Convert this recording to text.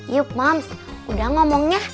yuk mams udah ngomongnya